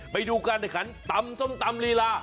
ไปดูกันในขั้นตำส้มตำลีลา